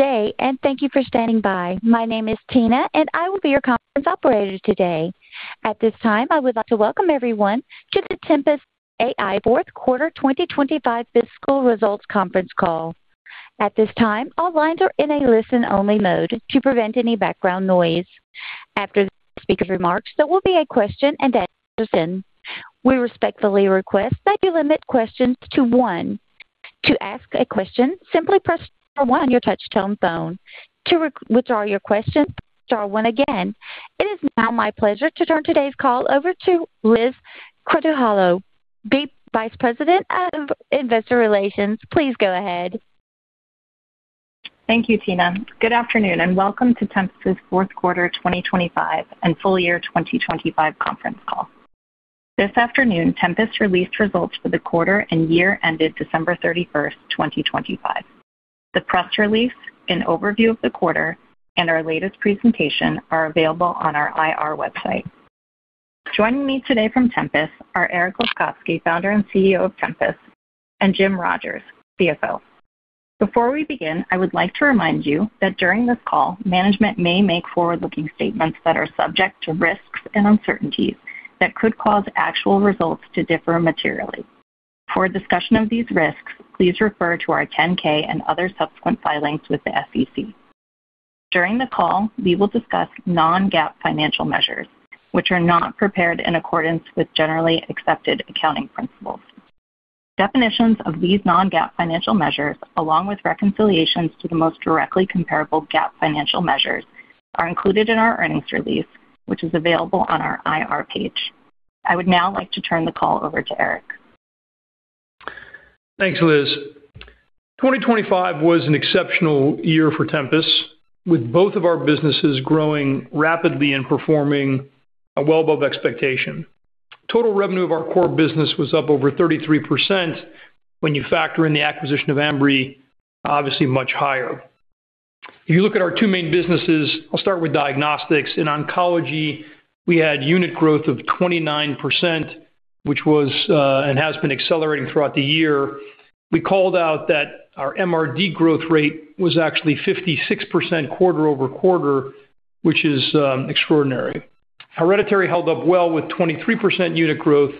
Good day, and thank you for standing by. My name is Tina, and I will be your conference operator today. At this time, I would like to welcome everyone to the Tempus AI Q4 2025 Fiscal Results Conference Call. At this time, all lines are in a listen-only mode to prevent any background noise. After the speaker's remarks, there will be a question-and-answer session. We respectfully request that you limit questions to one. To ask a question, simply press star one on your touchtone phone. To re-withdraw your question, star one again. It is now my pleasure to turn today's call over to Liz Krutoholow, Vice President of Investor Relations. Please go ahead. Thank you, Tina. Good afternoon, welcome to Tempus's Q4 2025 and full year 2025 conference call. This afternoon, Tempus released results for the quarter and year ended December 31st, 2025. The press release, an overview of the quarter, and our latest presentation are available on our IR website. Joining me today from Tempus are Eric Lefkofsky, founder and CEO of Tempus, and Jim Rogers, CFO. Before we begin, I would like to remind you that during this call, management may make forward-looking statements that are subject to risks and uncertainties that could cause actual results to differ materially. For a discussion of these risks, please refer to our Form 10-K and other subsequent filings with the SEC. During the call, we will discuss non-GAAP financial measures, which are not prepared in accordance with generally accepted accounting principles. Definitions of these non-GAAP financial measures, along with reconciliations to the most directly comparable GAAP financial measures, are included in our earnings release, which is available on our IR page. I would now like to turn the call over to Eric. Thanks, Liz. 2025 was an exceptional year for Tempus, with both of our businesses growing rapidly and performing well above expectation. Total revenue of our core business was up over 33%. You factor in the acquisition of Ambry, obviously much higher. You look at our two main businesses, I'll start with diagnostics. In oncology, we had unit growth of 29%, which was and has been accelerating throughout the year. We called out that our MRD growth rate was actually 56% quarter-over-quarter, which is extraordinary. Hereditary held up well with 23% unit growth.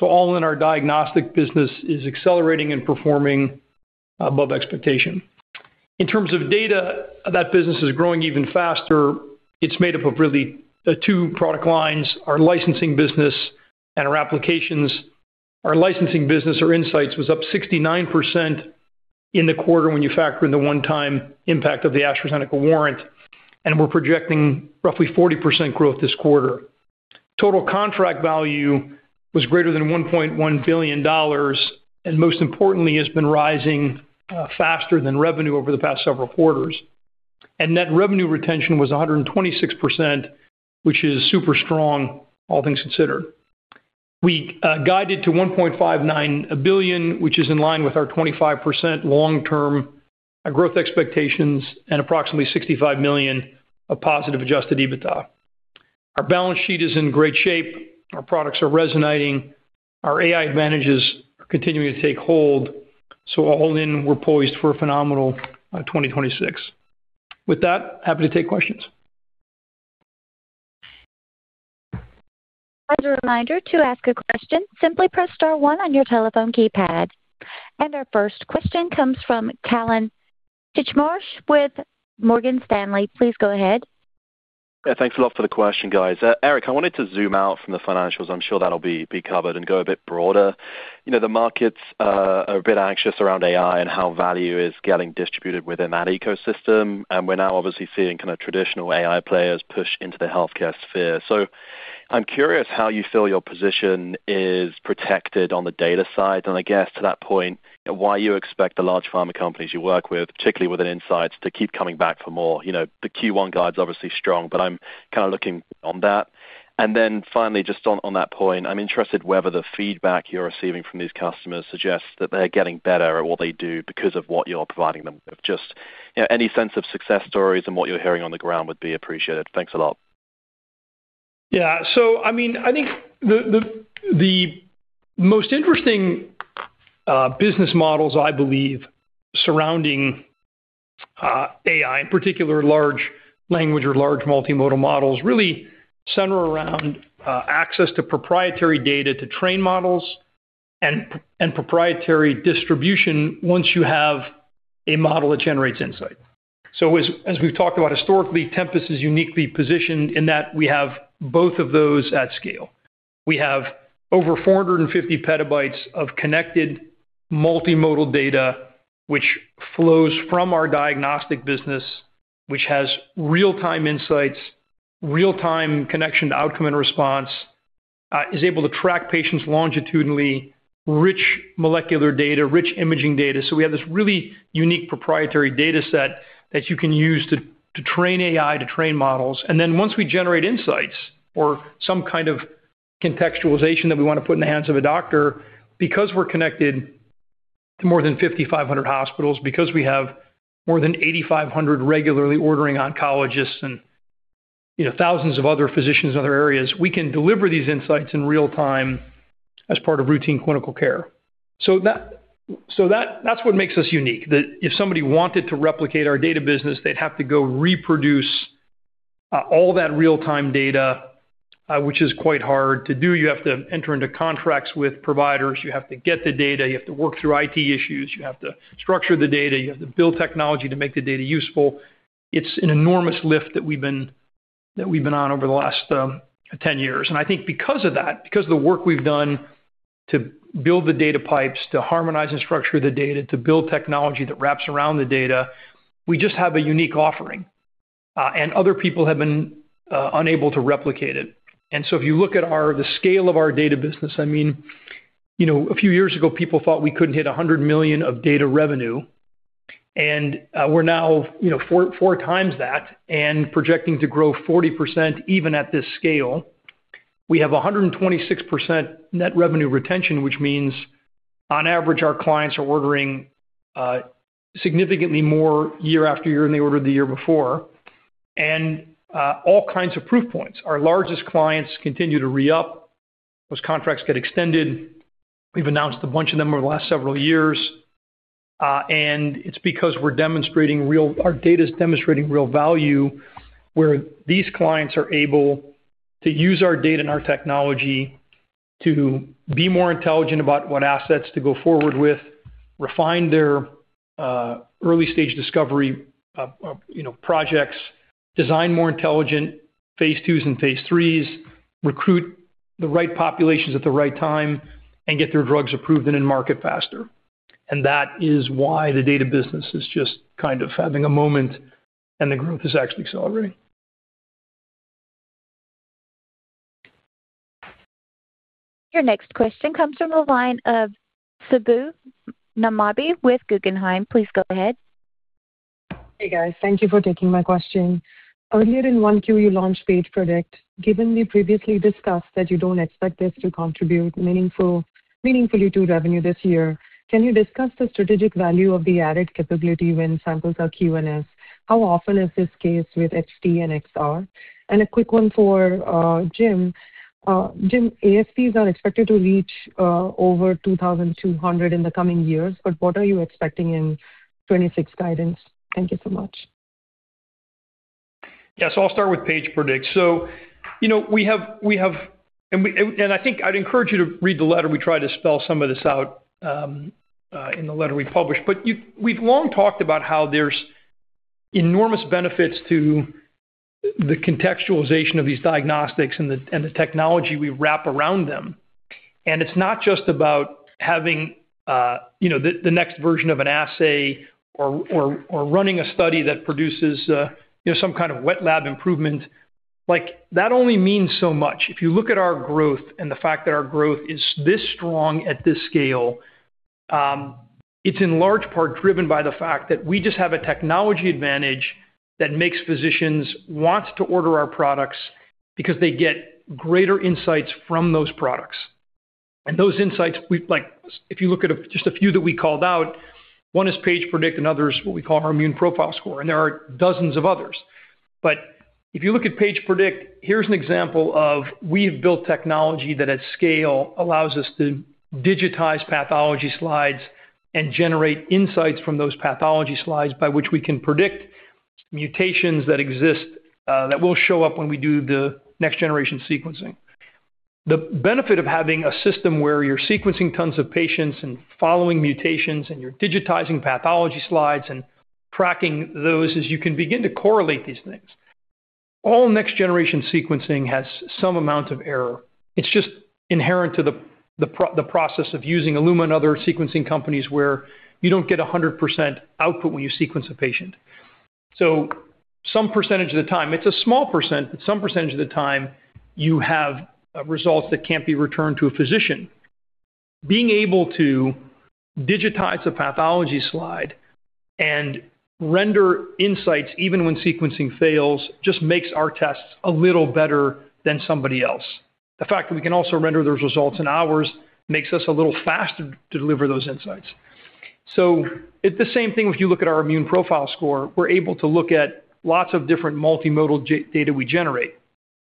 All in our diagnostic business is accelerating and performing above expectation. In terms of data, that business is growing even faster. It's made up of really the 2 product lines, our licensing business and our applications. Our licensing business, or Insights, was up 69% in the quarter when you factor in the one-time impact of the AstraZeneca warrant, and we're projecting roughly 40% growth this quarter. Total contract value was greater than $1.1 billion, and most importantly, has been rising faster than revenue over the past several quarters. Net revenue retention was 126%, which is super strong, all things considered. We guided to $1.59 billion, which is in line with our 25% long-term growth expectations and approximately $65 million of positive adjusted EBITDA. Our balance sheet is in great shape. Our products are resonating. Our AI advantages are continuing to take hold, so all in, we're poised for a phenomenal 2026. With that, happy to take questions. As a reminder, to ask a question, simply press star one on your telephone keypad. Our first question comes from Callum Titchmarsh with Morgan Stanley. Please go ahead. Yeah, thanks a lot for the question, guys. Eric, I wanted to zoom out from the financials. I'm sure that'll be covered and go a bit broader. You know, the markets are a bit anxious around AI and how value is getting distributed within that ecosystem, and we're now obviously seeing kind of traditional AI players push into the healthcare sphere. I'm curious how you feel your position is protected on the data side. I guess to that point, why you expect the large pharma companies you work with, particularly within Insights, to keep coming back for more. You know, the Q1 guide's obviously strong, I'm kind of looking on that. Finally, just on that point, I'm interested whether the feedback you're receiving from these customers suggests that they're getting better at what they do because of what you're providing them. Just, you know, any sense of success stories and what you're hearing on the ground would be appreciated. Thanks a lot. Yeah. I mean, I think the most interesting business models, I believe, surrounding AI, in particular, large language or large multimodal models, really center around access to proprietary data to train models and proprietary distribution once you have a model that generates insight. As we've talked about historically, Tempus is uniquely positioned in that we have both of those at scale. We have over 450 petabytes of connected multimodal data, which flows from our diagnostic business, which has real-time insights, real-time connection to outcome and response, is able to track patients longitudinally, rich molecular data, rich imaging data. We have this really unique proprietary data set that you can use to train AI, to train models. Once we generate Insights or some kind of contextualization that we want to put in the hands of a doctor, because we're connected to more than 5,500 hospitals, because we have more than 8,500 regularly ordering oncologists, you know, thousands of other physicians in other areas, we can deliver these Insights in real time as part of routine clinical care. That's what makes us unique, that if somebody wanted to replicate our data business, they'd have to go reproduce all that real-time data, which is quite hard to do. You have to enter into contracts with providers, you have to get the data, you have to work through IT issues, you have to structure the data, you have to build technology to make the data useful. It's an enormous lift that we've been on over the last 10 years. I think because of that, because of the work we've done to build the data pipes, to harmonize and structure the data, to build technology that wraps around the data, we just have a unique offering, and other people have been unable to replicate it. If you look at our-- the scale of our data business, I mean, you know, a few years ago, people thought we couldn't hit $100 million of data revenue, we're now, you know, 4 times that and projecting to grow 40% even at this scale. We have 126% net revenue retention, which means, on average, our clients are ordering significantly more year after year than they ordered the year before. All kinds of proof points. Our largest clients continue to re-up. Those contracts get extended. We've announced a bunch of them over the last several years. It's because we're demonstrating real value, where these clients are able to use our data and our technology to be more intelligent about what assets to go forward with, refine their early stage discovery of, you know, projects, design more intelligent phase 2s and phase 3s, recruit the right populations at the right time, and get their drugs approved and in market faster. That is why the data business is just kind of having a moment, and the growth is actually accelerating. Your next question comes from the line of Subbu Nambi with Guggenheim. Please go ahead. Hey, guys. Thank you for taking my question. Earlier in Q1, you launched Paige Predict. Given we previously discussed that you don't expect this to contribute meaningfully to revenue this year, can you discuss the strategic value of the added capability when samples are QNS? How often is this case with xT and xR? A quick one for Jim. Jim, ASPs are expected to reach over $2,200 in the coming years, but what are you expecting in 2026 guidance? Thank you so much. Yes, I'll start with Paige Predict. You know, we have. I think I'd encourage you to read the letter. We tried to spell some of this out in the letter we published. We've long talked about how there's enormous benefits to the contextualization of these diagnostics and the technology we wrap around them. It's not just about having, you know, the next version of an assay or running a study that produces, you know, some kind of wet lab improvement. Like, that only means so much. If you look at our growth and the fact that our growth is this strong at this scale, it's in large part driven by the fact that we just have a technology advantage that makes physicians want to order our products because they get greater insights from those products. Those insights, If you look at just a few that we called out, one is Paige Predict, another is what we call our Immune Profile Score, and there are dozens of others. If you look at Paige Predict, here's an example of we've built technology that, at scale, allows us to digitize pathology slides and generate insights from those pathology slides by which we can predict mutations that exist, that will show up when we do the next-generation sequencing. The benefit of having a system where you're sequencing tons of patients and following mutations, and you're digitizing pathology slides and tracking those, is you can begin to correlate these things. All next-generation sequencing has some amount of error. It's just inherent to the process of using Illumina and other sequencing companies, where you don't get 100% output when you sequence a patient. Some percentage of the time, it's a small %, but some percentage of the time you have results that can't be returned to a physician. Being able to digitize a pathology slide and render Insights, even when sequencing fails, just makes our tests a little better than somebody else. The fact that we can also render those results in hours makes us a little faster to deliver those Insights. It's the same thing if you look at our Immune Profile Score. We're able to look at lots of different multimodal data we generate.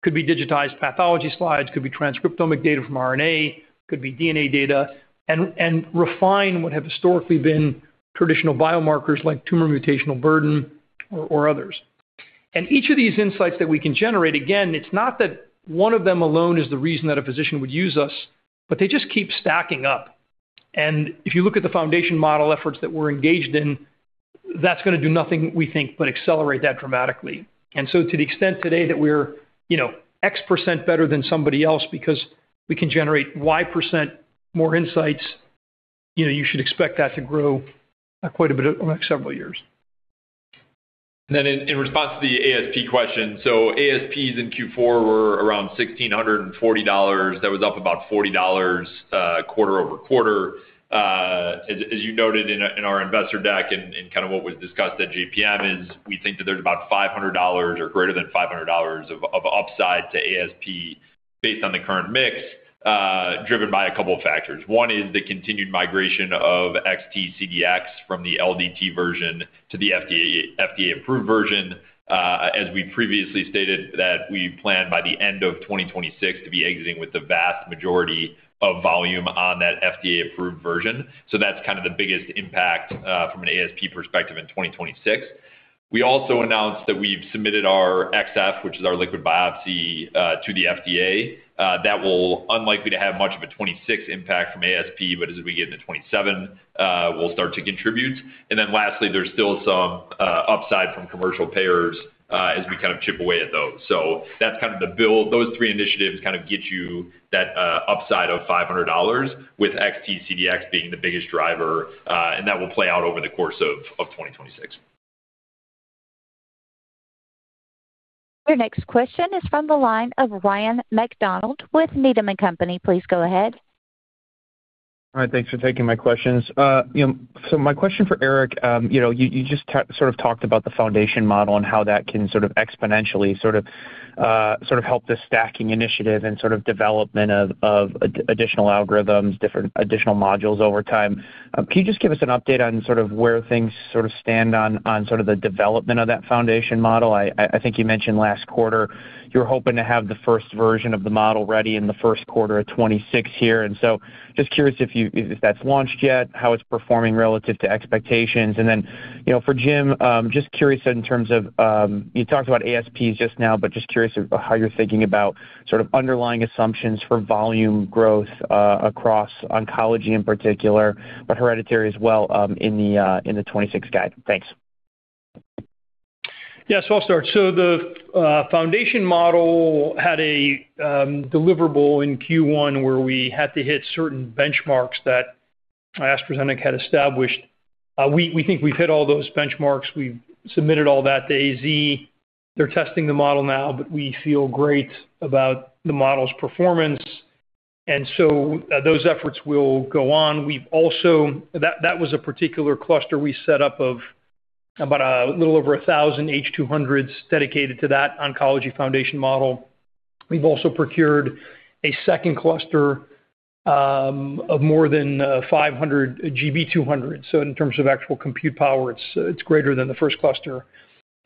Could be digitized pathology slides, could be transcriptomic data from RNA, could be DNA data, and refine what have historically been traditional biomarkers, like tumor mutational burden or others. Each of these Insights that we can generate, again, it's not that one of them alone is the reason that a physician would use us, but they just keep stacking up, and if you look at the foundation model efforts that we're engaged in, that's gonna do nothing, we think, but accelerate that dramatically. To the extent today that we're, you know, X% better than somebody else because we can generate Y% more Insights, you know, you should expect that to grow, quite a bit over the next several years. In response to the ASP question, ASPs in Q4 were around $1,640. That was up about $40 quarter-over-quarter. As you noted in our investor deck and kind of what was discussed at JPM, we think that there's about $500 or greater than $500 of upside to ASP based on the current mix, driven by a couple of factors. One is the continued migration of xT CDx from the LDT version to the FDA-approved version. As we previously stated, that we plan by the end of 2026 to be exiting with the vast majority of volume on that FDA-approved version. That's kind of the biggest impact from an ASP perspective in 2026. We also announced that we've submitted our xF, which is our liquid biopsy, to the FDA. That will unlikely to have much of a 2026 impact from ASP, but as we get into 2027, we'll start to contribute. Lastly, there's still some upside from commercial payers, as we kind of chip away at those. That's kind of the build. Those three initiatives kind of get you that upside of $500, with xT CDx being the biggest driver, and that will play out over the course of 2026. Your next question is from the line of Ryan MacDonald with Needham & Company. Please go ahead. All right, thanks for taking my questions. You know, my question for Eric, you know, you just sort of talked about the foundation model and how that can sort of exponentially, sort of help the stacking initiative and sort of development of additional algorithms, different additional modules over time. Can you just give us an update on sort of where things sort of stand on sort of the development of that foundation model? I think you mentioned last quarter, you're hoping to have the first version of the model ready in the Q1 of 2026 here, just curious if that's launched yet, how it's performing relative to expectations. You know, for Jim, just curious in terms of, you talked about ASPs just now, but just curious of how you're thinking about sort of underlying assumptions for volume growth, across oncology in particular, but hereditary as well, in the 2026 guide? Thanks. I'll start. The foundation model had a deliverable in Q1, where we had to hit certain benchmarks that AstraZeneca had established. We think we've hit all those benchmarks. We've submitted all that to AZ. They're testing the model now, but we feel great about the model's performance, and so those efforts will go on. That was a particular cluster we set up of about a little over 1,000 H200s dedicated to that oncology foundation model. We've also procured a second cluster of more than 500 GB200. In terms of actual compute power, it's greater than the first cluster.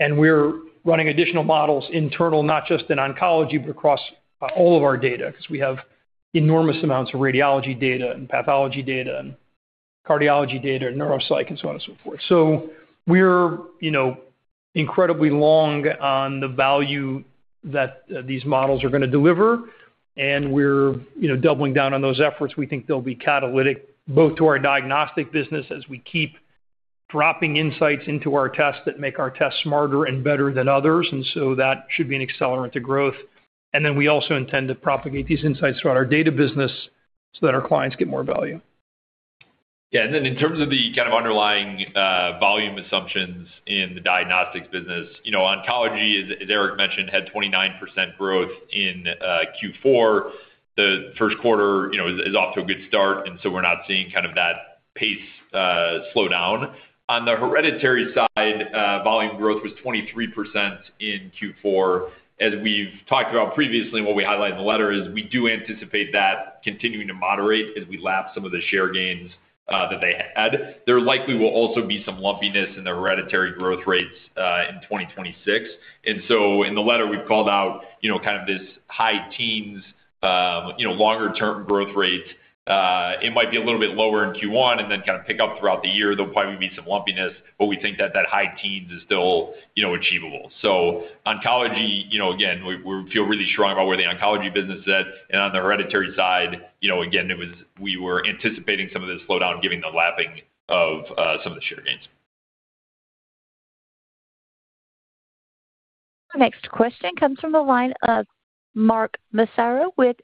We're running additional models internal, not just in oncology, but across all of our data, 'cause we have enormous amounts of radiology data and pathology data and cardiology data, neuropsych, and so on and so forth. We're, you know, incredibly long on the value that these models are gonna deliver, and we're, you know, doubling down on those efforts. We think they'll be catalytic both to our diagnostic business, as we keep dropping insights into our tests that make our tests smarter and better than others, and so that should be an accelerant to growth. We also intend to propagate these insights throughout our data business so that our clients get more value. Yeah. Then in terms of the kind of underlying volume assumptions in the diagnostics business, you know, oncology, as Eric mentioned, had 29% growth in Q4. The Q1, you know, is off to a good start, so we're not seeing kind of that pace slow down. On the hereditary side, volume growth was 23% in Q4. As we've talked about previously, what we highlight in the letter is we do anticipate that continuing to moderate as we lap some of the share gains that they had. There likely will also be some lumpiness in the hereditary growth rates in 2026. So in the letter, we've called out, you know, kind of this high teens, you know, longer term growth rates. It might be a little bit lower in Q1 and then kind of pick up throughout the year. There'll probably be some lumpiness, but we think that that high teens is still, you know, achievable. Oncology, you know, again, we feel really strong about where the oncology business is at. On the hereditary side, you know, again, we were anticipating some of this slowdown, giving the lapping of some of the share gains. Next question comes from the line of Mark Massaro with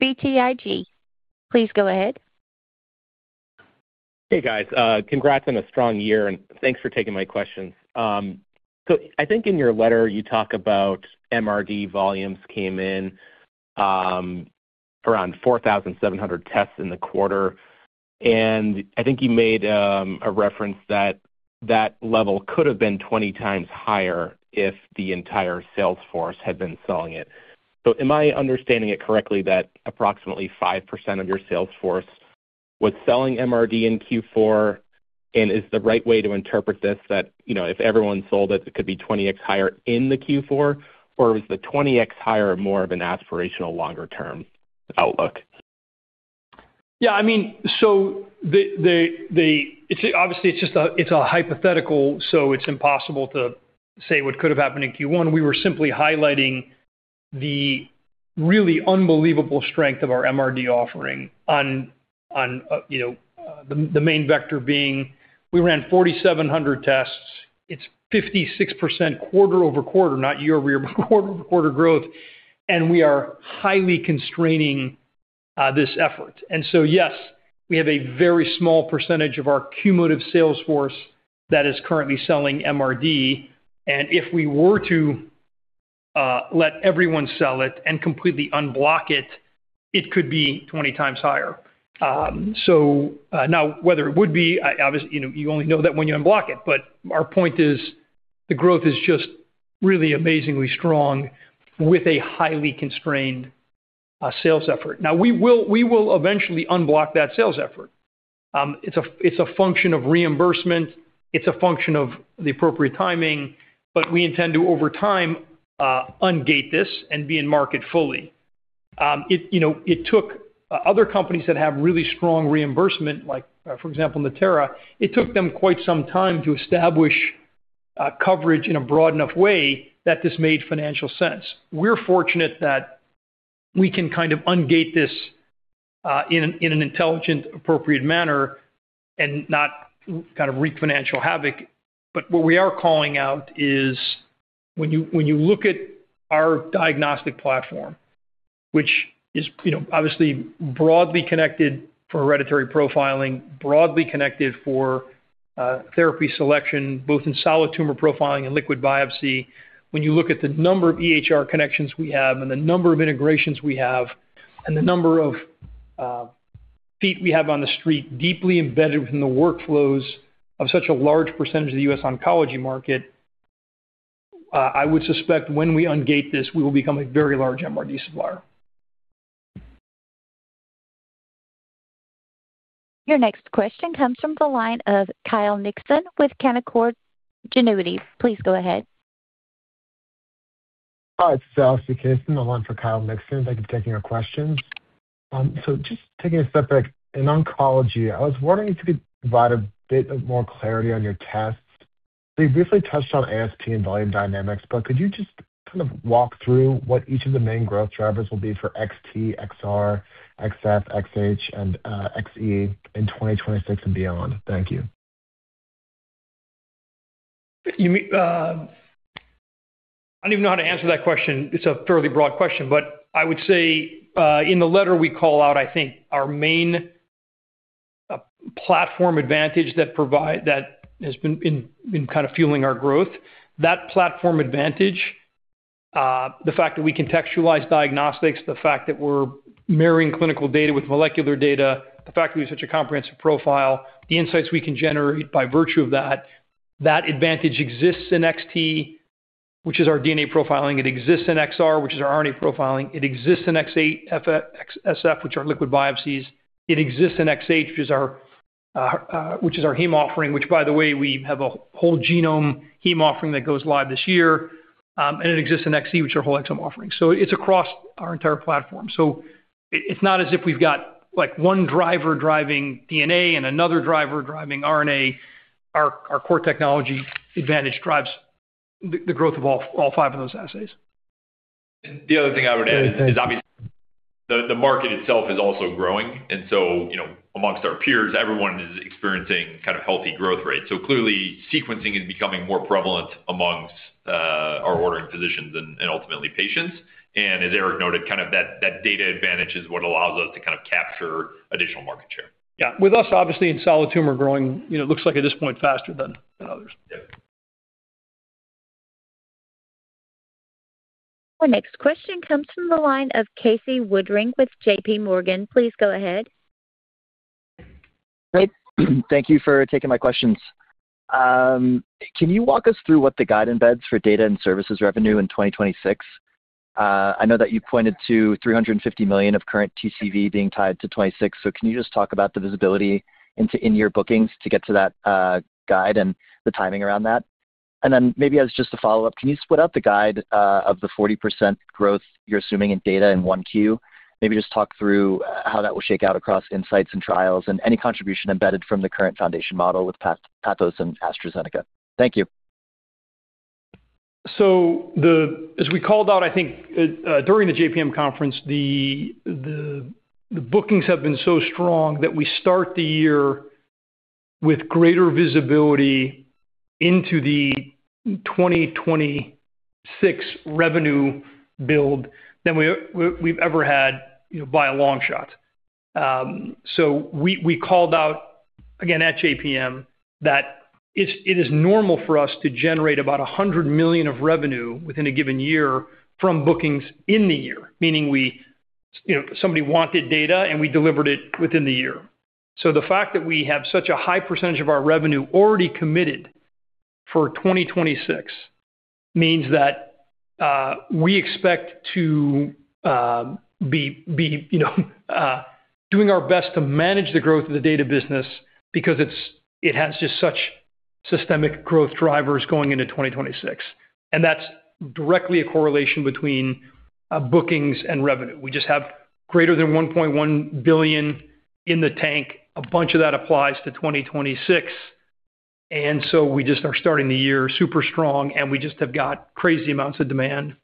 BTIG. Please go ahead. Hey, guys, congrats on a strong year. Thanks for taking my questions. I think in your letter, you talk about MRD volumes came in around 4,700 tests in the quarter. I think you made a reference that that level could have been 20 times higher if the entire sales force had been selling it. Am I understanding it correctly that approximately 5% of your sales force was selling MRD in Q4? Is the right way to interpret this, that, you know, if everyone sold it could be 20x higher in the Q4, or was the 20x higher more of an aspirational, longer-term outlook? Yeah, I mean, so the, it's obviously, it's just a, it's a hypothetical, so it's impossible to say what could have happened in Q1. We were simply highlighting the really unbelievable strength of our MRD offering on, you know, the main vector being we ran 4,700 tests. It's 56% quarter-over-quarter, not year-over-year, but quarter-over-quarter growth, and we are highly constraining this effort. Yes, we have a very small percentage of our cumulative sales force that is currently selling MRD, and if we were to let everyone sell it and completely unblock it could be 20 times higher. Whether it would be, you know, you only know that when you unblock it, but our point is, the growth is just really amazingly strong with a highly constrained, sales effort. We will eventually unblock that sales effort. It's a, it's a function of reimbursement, it's a function of the appropriate timing, but we intend to, over time, ungate this and be in market fully. It, you know, it took other companies that have really strong reimbursement, like, for example, Natera, it took them quite some time to establish coverage in a broad enough way that this made financial sense. We're fortunate that we can kind of ungate this in an intelligent, appropriate manner and not kind of wreak financial havoc. What we are calling out is when you look at our diagnostic platform, which is, you know, obviously broadly connected for hereditary profiling, broadly connected for therapy selection, both in solid tumor profiling and liquid biopsy. When you look at the number of EHR connections we have and the number of integrations we have, and the number of feet we have on the street, deeply embedded within the workflows of such a large percentage of the U.S. oncology market, I would suspect when we ungate this, we will become a very large MRD supplier. Your next question comes from the line of Kyle Mikson with Canaccord Genuity. Please go ahead. Hi, it's Jesse Case the line for Kyle Mikson. Thank you for taking our questions. Just taking a step back, in oncology, I was wondering if you could provide a bit of more clarity on your tests. You briefly touched on ASP and volume dynamics, but could you just kind of walk through what each of the main growth drivers will be for xT, xR, xF, xH, and xE in 2026 and beyond? Thank you. I don't even know how to answer that question. It's a fairly broad question, I would say, in the letter we call out, I think our main platform advantage that has been kind of fueling our growth. That platform advantage, the fact that we contextualize diagnostics, the fact that we're marrying clinical data with molecular data, the fact that we have such a comprehensive profile, the insights we can generate by virtue of that advantage exists in xT, which is our DNA profiling. It exists in xR, which is our RNA profiling. It exists in xA, xF, which are liquid biopsies. It exists in xH, which is our heme offering, which, by the way, we have a whole genome heme offering that goes live this year. It exists in xE, which is our whole exome offering. It's across our entire platform. It's not as if we've got, like, one driver driving DNA and another driver driving RNA. Our core technology advantage drives the growth of all five of those assays. The other thing I would add is, obviously, the market itself is also growing. You know, amongst our peers, everyone is experiencing kind of healthy growth rates. Clearly, sequencing is becoming more prevalent amongst our ordering physicians and ultimately patients. As Eric noted, kind of that data advantage is what allows us to kind of capture additional market share. Yeah. With us, obviously, in solid tumor growing, you know, it looks like at this point, faster than others. Yeah. Our next question comes from the line of Casey Woodring with JPMorgan. Please go ahead. Great. Thank you for taking my questions. Can you walk us through what the guide embeds for data and services revenue in 2026? I know that you pointed to $350 million of current TCV being tied to 2026, so can you just talk about the visibility into in-year bookings to get to that guide and the timing around that? Maybe as just a follow-up, can you split out the guide of the 40% growth you're assuming in data in 1Q? Maybe just talk through how that will shake out across Insights and trials and any contribution embedded from the current foundation model with PathAI and AstraZeneca. Thank you. As we called out, I think, during the JPM conference, the bookings have been so strong that we start the year with greater visibility into the 2026 revenue build than we've ever had, by a long shot. We called out again at JPM that it is normal for us to generate about $100 million of revenue within a given year from bookings in the year, meaning we, you know, somebody wanted data, and we delivered it within the year. The fact that we have such a high percentage of our revenue already committed for 2026, means that we expect to be, you know, doing our best to manage the growth of the data business because it has just such systemic growth drivers going into 2026, and that's directly a correlation between bookings and revenue. We just have greater than $1.1 billion in the tank. A bunch of that applies to 2026, we just are starting the year super strong, we just have got crazy amounts of demand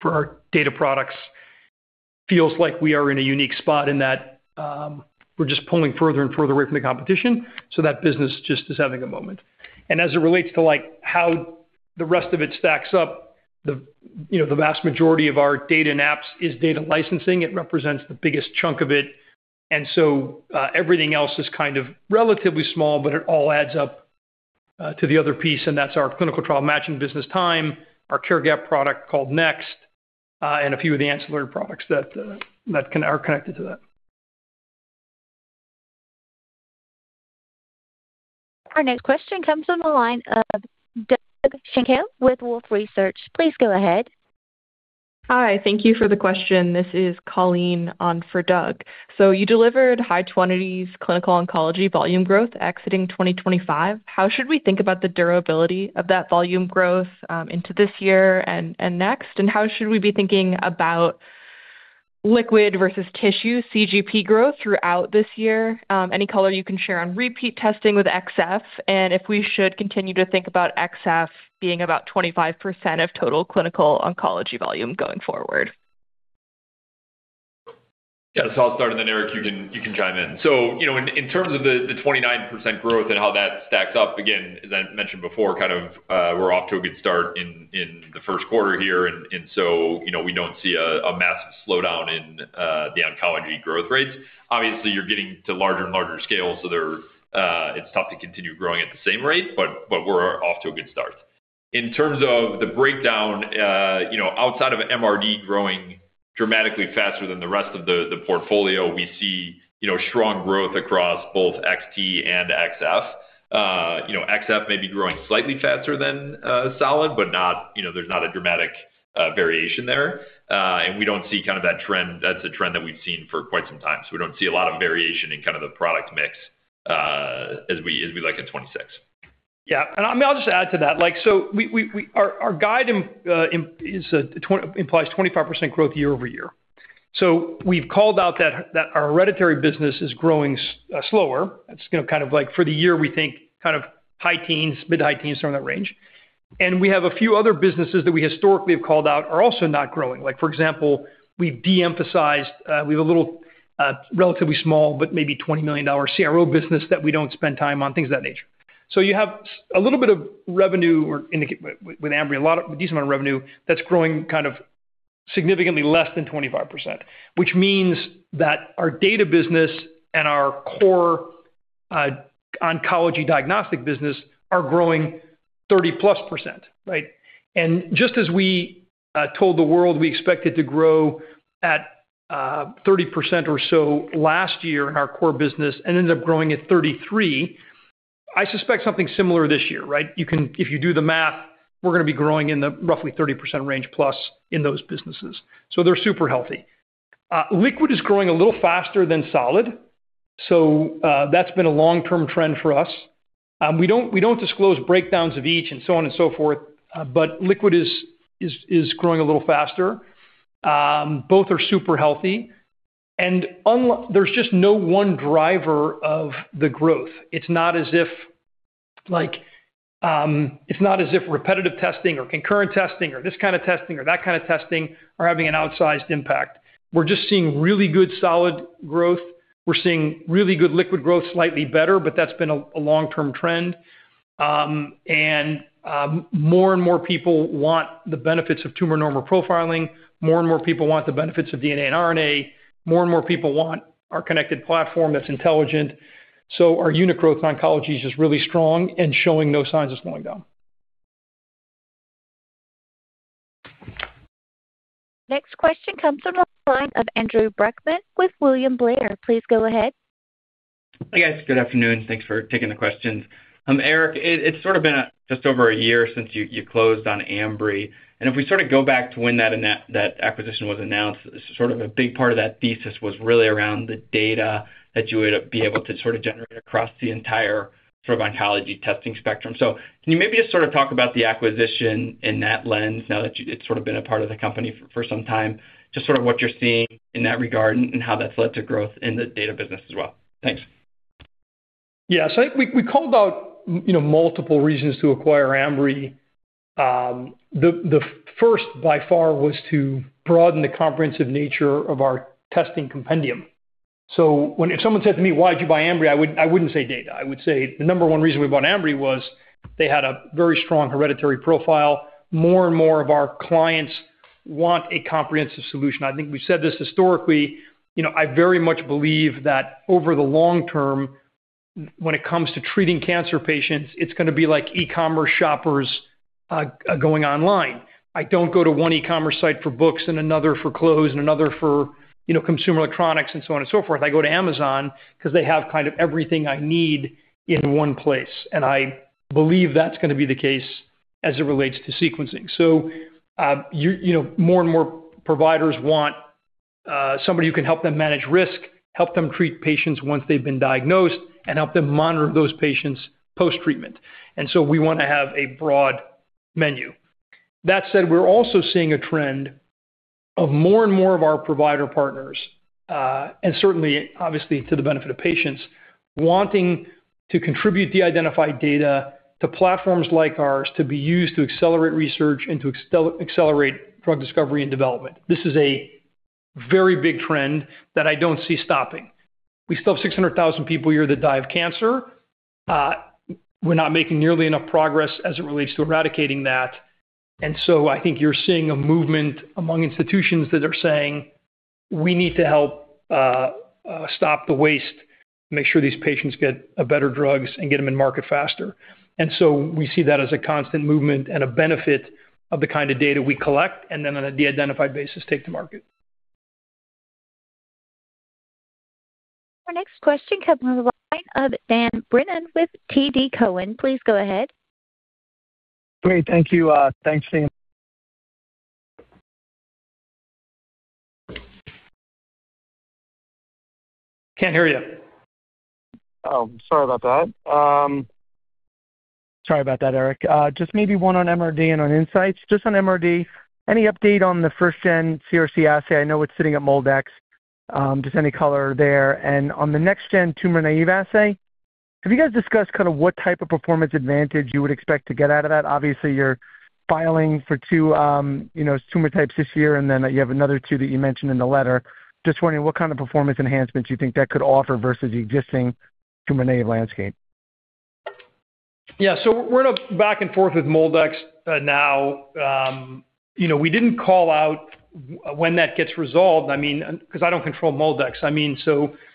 for our data products. Feels like we are in a unique spot in that we're just pulling further and further away from the competition, that business just is having a moment. As it relates to, like, how the rest of it stacks up, the, you know, the vast majority of our data and apps is data licensing. It represents the biggest chunk of it, and so, everything else is kind of relatively small, but it all adds up. to the other piece, and that's our clinical trial matching business TIME, our care gap product called Next, and a few of the ancillary products that are connected to that. Our next question comes from the line of Doug Schenkel with Wolfe Research. Please go ahead. Hi, thank you for the question. This is Colleen on for Doug. You delivered high 20s clinical oncology volume growth exiting 2025. How should we think about the durability of that volume growth into this year and next? How should we be thinking about liquid versus tissue CGP growth throughout this year? Any color you can share on repeat testing with xF, If we should continue to think about xF being about 25% of total clinical oncology volume going forward. Yeah, I'll start, and then, Eric, you can chime in. You know, in terms of the 29% growth and how that stacks up, again, as I mentioned before, we're off to a good start in the Q1 here, and so, you know, we don't see a massive slowdown in the oncology growth rates. Obviously, you're getting to larger and larger scales, so there, it's tough to continue growing at the same rate, but we're off to a good start. In terms of the breakdown, you know, outside of MRD growing dramatically faster than the rest of the portfolio, we see, you know, strong growth across both xT and xF. You know, xF may be growing slightly faster than solid, but not, you know, there's not a dramatic variation there. We don't see kind of that trend that we've seen for quite some time. We don't see a lot of variation in kind of the product mix, as we look in 2026. I'll just add to that. Like, so we, our guide implies 25% growth year-over-year. We've called out that our hereditary business is growing slower. It's, you know, kind of like for the year, we think, kind of high teens, mid high teens, around that range. We have a few other businesses that we historically have called out are also not growing. Like, for example, we've de-emphasized, we have a little, relatively small, but maybe a $20 million CRO business that we don't spend time on, things of that nature. You have a little bit of revenue or indicate... With Ambry, a lot of, decent amount of revenue that's growing kind of significantly less than 25%, which means that our data business and our core oncology diagnostic business are growing 30%+ percent, right? Just as we told the world, we expected to grow at 30% or so last year in our core business and ended up growing at 33, I suspect something similar this year, right? If you do the math, we're gonna be growing in the roughly 30% range plus in those businesses. They're super healthy. Liquid is growing a little faster than solid, so that's been a long-term trend for us. We don't disclose breakdowns of each and so on and so forth, but liquid is growing a little faster. Both are super healthy, there's just no one driver of the growth. It's not as if, like, it's not as if repetitive testing or concurrent testing or this kind of testing or that kind of testing are having an outsized impact. We're just seeing really good, solid growth. We're seeing really good liquid growth, slightly better, but that's been a long-term trend. More and more people want the benefits of tumor normal profiling. More and more people want the benefits of DNA and RNA. More and more people want our connected platform that's intelligent. Our unit growth in oncology is just really strong and showing no signs of slowing down. Next question comes from the line of Andrew Brackmann with William Blair. Please go ahead. Hey, guys. Good afternoon. Thanks for taking the questions. Eric, it's sort of been just over a year since you closed on Ambry, and if we sort of go back to when that acquisition was announced, sort of a big part of that thesis was really around the data that you would be able to sort of generate across the entire sort of oncology testing spectrum. Can you maybe just sort of talk about the acquisition in that lens, now that it's sort of been a part of the company for some time, just sort of what you're seeing in that regard and how that's led to growth in the data business as well? Thanks. I think we called out, you know, multiple reasons to acquire Ambry. The, the first, by far, was to broaden the comprehensive nature of our testing compendium. If someone said to me, "Why did you buy Ambry?" I wouldn't say data. I would say the number one reason we bought Ambry was they had a very strong hereditary profile. More and more of our clients want a comprehensive solution. I think we've said this historically, you know, I very much believe that over the long term, when it comes to treating cancer patients, it's gonna be like e-commerce shoppers, going online. I don't go to one e-commerce site for books and another for clothes and another for, you know, consumer electronics and so on and so forth. I go to Amazon because they have kind of everything I need in one place, and I believe that's gonna be the case as it relates to sequencing. You know, more and more providers want somebody who can help them manage risk, help them treat patients once they've been diagnosed, and help them monitor those patients post-treatment. We want to have a broad menu. That said, we're also seeing a trend of more and more of our provider partners, and certainly, obviously, to the benefit of patients, wanting to contribute deidentified data to platforms like ours to be used to accelerate research and to accelerate drug discovery and development. This is a very big trend that I don't see stopping. We still have 600,000 people a year that die of cancer. We're not making nearly enough progress as it relates to eradicating that. I think you're seeing a movement among institutions that are saying. We need to help stop the waste, make sure these patients get better drugs and get them in market faster. We see that as a constant movement and a benefit of the kind of data we collect, and then on a de-identified basis, take to market. Our next question comes on the line of Dan Brennan with TD Cowen. Please go ahead. Great, thank you. Thanks, Dan. Can't hear you. Oh, sorry about that, Eric. Just maybe one on MRD and on Insights. Just on MRD, any update on the first-gen CRC assay? I know it's sitting at MolDX. Just any color there. On the next-gen tumor-naive assay, have you guys discussed kind of what type of performance advantage you would expect to get out of that? Obviously, you're filing for 2, you know, tumor types this year, and then you have another 2 that you mentioned in the letter. Just wondering what kind of performance enhancements you think that could offer versus the existing tumor-naive landscape. We're in a back and forth with MolDX now. You know, we didn't call out when that gets resolved, I mean, 'cause I don't control MolDX. I mean,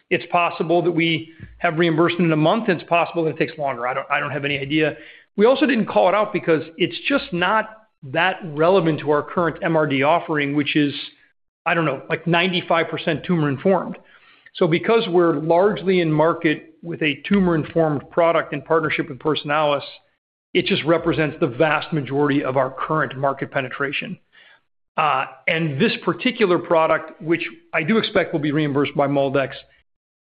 it's possible that we have reimbursement in a month, and it's possible that it takes longer. I don't, I don't have any idea. We also didn't call it out because it's just not that relevant to our current MRD offering, which is, I don't know, like 95% tumor-informed. Because we're largely in market with a tumor-informed product in partnership with Personalis, it just represents the vast majority of our current market penetration. This particular product, which I do expect will be reimbursed by MolDX,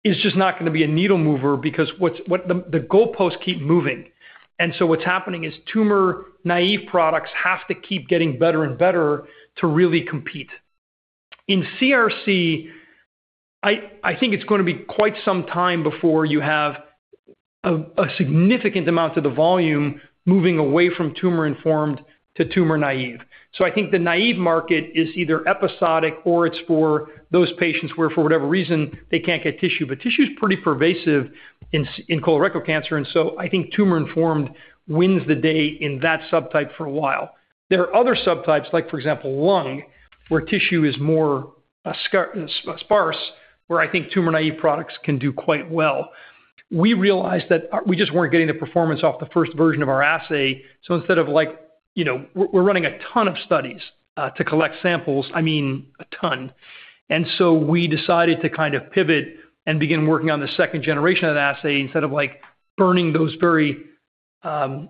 is just not gonna be a needle mover because the goalposts keep moving. What's happening is tumor-naive products have to keep getting better and better to really compete. In CRC, I think it's gonna be quite some time before you have a significant amount of the volume moving away from tumor-informed to tumor-naive. I think the naive market is either episodic or it's for those patients where, for whatever reason, they can't get tissue. Tissue is pretty pervasive in colorectal cancer, I think tumor-informed wins the day in that subtype for a while. There are other subtypes, like, for example, lung, where tissue is more sparse, where I think tumor-naive products can do quite well. We realized that we just weren't getting the performance off the first version of our assay. Instead of like, you know, we're running a ton of studies to collect samples. I mean, a ton. We decided to kind of pivot and begin working on the 2nd generation of the assay. Instead of, like, burning those very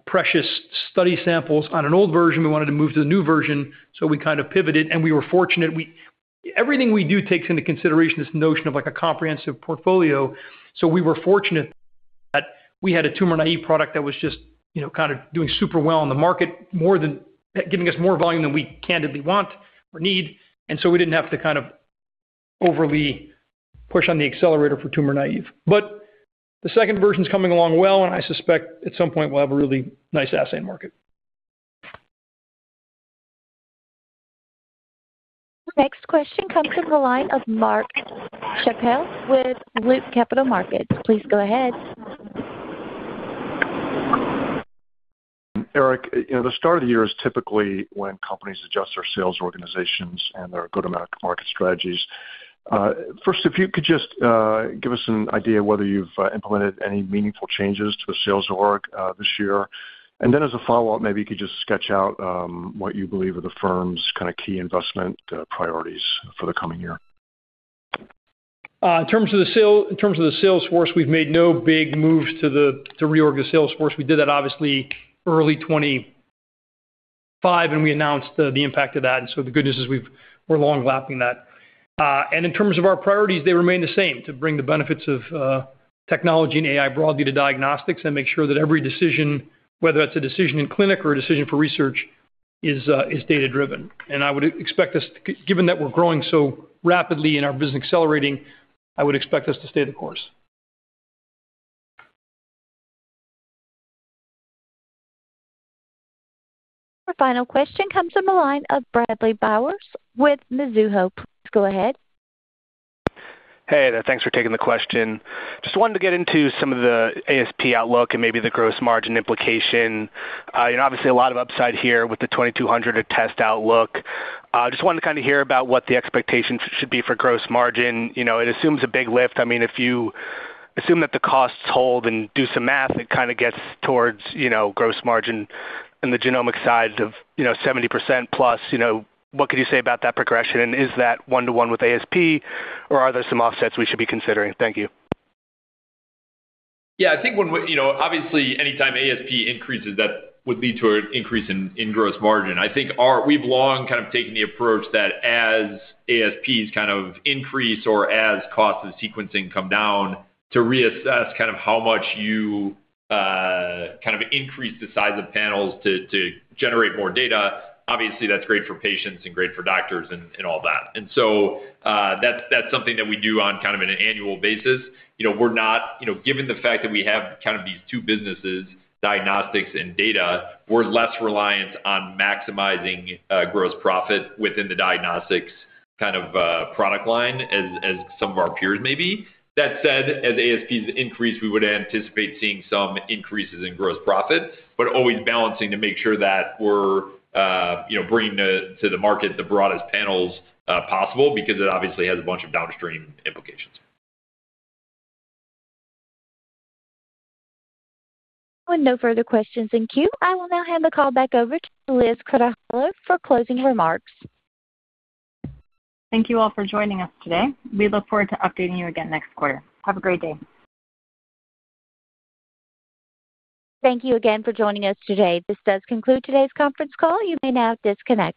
precious study samples on an old version, we wanted to move to the new version, we kind of pivoted, and we were fortunate. Everything we do takes into consideration this notion of like a comprehensive portfolio, we were fortunate that we had a tumor-naive product that was just, you know, kind of doing super well in the market, more than giving us more volume than we candidly want or need. We didn't have to kind of overly push on the accelerator for tumor-naive. The 2nd version is coming along well, and I suspect at some point we'll have a really nice assay in market. The next question comes from the line of Mark Schappel with Loop Capital Markets. Please go ahead. Eric, you know, the start of the year is typically when companies adjust their sales organizations and their go-to-market strategies. First, if you could just give us an idea of whether you've implemented any meaningful changes to the sales org this year. Then as a follow-up, maybe you could just sketch out what you believe are the firm's kind of key investment priorities for the coming year. In terms of the sale, in terms of the sales force, we've made no big moves to reorg the sales force. We did that obviously early 2025, and we announced the impact of that. The good news is we've We're long lapping that. In terms of our priorities, they remain the same: to bring the benefits of technology and AI broadly to diagnostics and make sure that every decision, whether that's a decision in clinic or a decision for research, is data-driven. I would expect us, given that we're growing so rapidly and our business accelerating, I would expect us to stay the course. Our final question comes from the line of Bradley Bowers with Mizuho. Please go ahead. Hey there. Thanks for taking the question. Just wanted to get into some of the ASP outlook and maybe the gross margin implication. You know, obviously a lot of upside here with the $2,200 a test outlook. Just wanted to kind of hear about what the expectations should be for gross margin. You know, it assumes a big lift. I mean, if you assume that the costs hold and do some math, it kind of gets towards, you know, gross margin in the genomic side of, you know, 70%+. You know, what can you say about that progression, and is that one to one with ASP, or are there some offsets we should be considering? Thank you. Yeah, I think when we, you know, obviously, anytime ASP increases, that would lead to an increase in gross margin. I think we've long kind of taken the approach that as ASPs kind of increase or as costs of sequencing come down, to reassess kind of how much you kind of increase the size of panels to generate more data. Obviously, that's great for patients and great for doctors and all that. That's something that we do on kind of an annual basis. You know, we're not, you know, given the fact that we have kind of these two businesses, diagnostics and data, we're less reliant on maximizing gross profit within the diagnostics kind of product line as some of our peers may be. That said, as ASPs increase, we would anticipate seeing some increases in gross profit, but always balancing to make sure that we're, you know, bringing to the market the broadest panels possible because it obviously has a bunch of downstream implications. With no further questions in queue, I will now hand the call back over to Liz Krutoholow for closing remarks. Thank you all for joining us today. We look forward to updating you again next quarter. Have a great day. Thank you again for joining us today. This does conclude today's conference call. You may now disconnect.